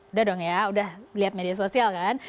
udah dong ya udah lihat media sosial kan